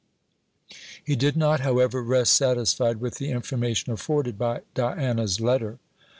He did not, however, rest satisfied with the information afforded by Diana's letter.